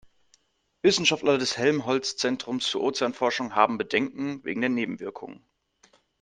Wissenschaftler des Helmholtz-Zentrums für Ozeanforschung haben Bedenken wegen der Nebenwirkungen.